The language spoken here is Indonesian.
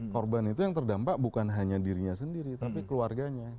korban itu yang terdampak bukan hanya dirinya sendiri tapi keluarganya